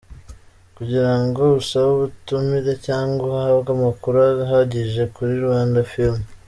Kugira ngo usabe ubutumire cyangwa uhabwe amakuru ahagije kuri rwandafilm.